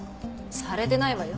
されてないわよ。